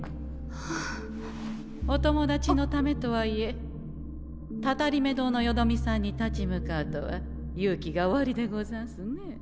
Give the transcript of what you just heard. お友達のためとはいえたたりめ堂のよどみさんに立ち向かうとは勇気がおありでござんすね。